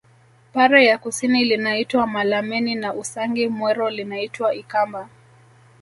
Pare ya kusini linaitwa Malameni na Usangi Mwero linaitwa Ikamba